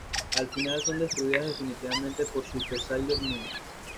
Al final son destruidas definitivamente por Super Sailor Moon.